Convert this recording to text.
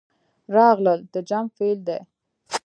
راغلل د جمع فعل دی.